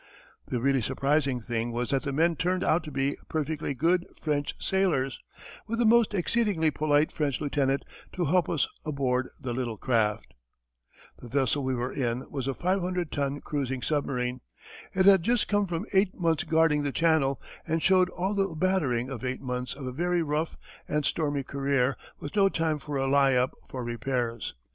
The really surprising thing was that the men turned out to be perfectly good French sailors, with a most exceedingly polite French lieutenant to help us aboard the little craft.... [Illustration: The Capture of a U Boat. Painting by John E. Whiting.] The vessel we were in was a 500 ton cruising submarine. It had just come from eight months' guarding the Channel, and showed all the battering of eight months of a very rough and stormy career with no time for a lie up for repairs.